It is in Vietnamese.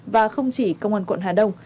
và không chỉ công an quận hà đông